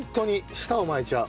舌を巻いちゃう。